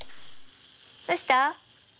どうした？